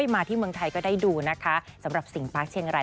มาที่เมืองไทยก็ได้ดูนะคะสำหรับสิงปาร์คเชียงราย